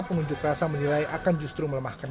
pengunjuk rasa menilai akan justru melemahkan